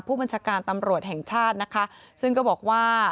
ผู้บัญชาการตำรวจแห่งชาตินะคะซึ่งก็บอกว่า